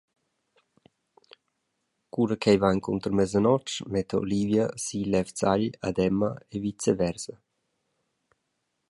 Cura ch’ei va encunter mesanotg, metta Olivia si levzagl ad Emma e viceversa.